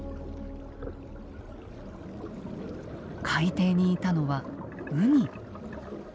海底にいたのはウニ。